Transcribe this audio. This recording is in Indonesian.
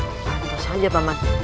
pantas saja pak man